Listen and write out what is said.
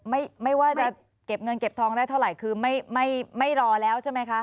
ไม่ไม่ว่าจะเก็บเงินเก็บทองได้เท่าไหร่คือไม่ไม่รอแล้วใช่ไหมคะ